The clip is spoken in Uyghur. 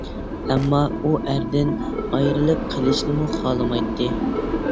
ئەمما ئۇ ئەردىن ئايرىلىپ قېلىشنىمۇ خالىمايتتى.